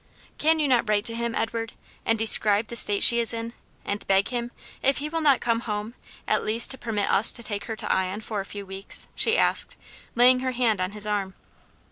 "Can you not write to him, Edward, and describe the state she is in, and beg him, if he will not come home, at least to permit us to take her to Ion for a few weeks?" she asked, laying her hand on his arm.